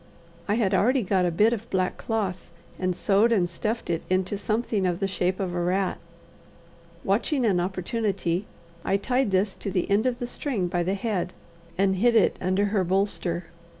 I had already got a bit of black cloth, and sewed and stuffed it into something of the shape of a rat. Watching an opportunity, I tied this to the end of the string by the head, and hid it under her bolster.